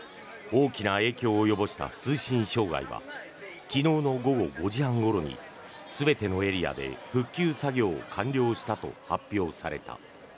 大きな影響を及ぼした通信障害は昨日の午後５時半ごろに全てのエリアで復旧作業を完了したと発表された。